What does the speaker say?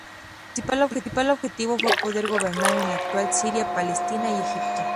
Su principal objetivo fue poder gobernar en la actual Siria, Palestina y Egipto.